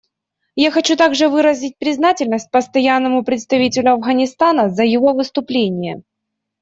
Я хочу также выразить признательность Постоянному представителю Афганистана за его выступление.